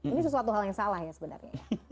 ini sesuatu hal yang salah ya sebenarnya